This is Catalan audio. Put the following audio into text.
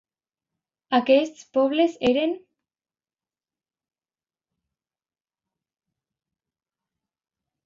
Aquests pobles eren: